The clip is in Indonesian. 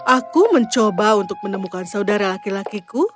aku mencoba untuk menemukan saudara laki lakiku